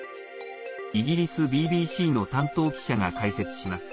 イギリスＢＢＣの担当記者が解説します。